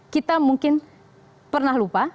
kita mungkin pernah lupa